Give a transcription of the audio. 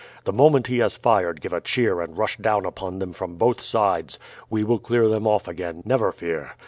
The moment he has fired give a cheer and rush down upon them from both sides. We will clear them off again, never fear.